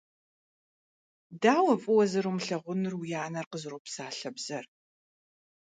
Дауэ фӀыуэ зэрумылъагъунур уи анэр къызэропсалъэ бзэр.